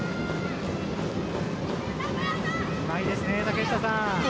うまいですね、竹下さん。